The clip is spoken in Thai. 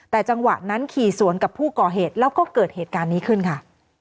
แต่จังหวะนั้นขี่สวนกับผู้ก่อเหตุแล้วก็เกิดเหตุการณ์นี้ขึ้นค่ะ